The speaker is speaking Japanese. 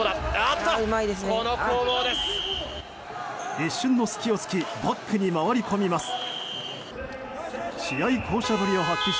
一瞬の隙を突きバックに回り込みます。